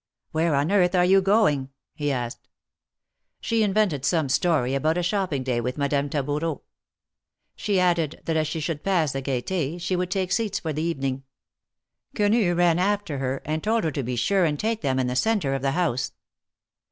Where on earth are you going?" he asked. She invented some story about a shopping day with Madame Taboureau. She added, that as she should pass the Gaiety, she would take seats for the evening. Quenu ran after her, and told her to be sure and take them in the centre of the house.